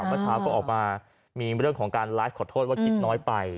เมื่อเช้าก็ออกมามีเรื่องของการไลฟ์ขอโทษว่าคิดน้อยไป